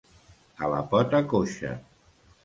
A la pota coixa.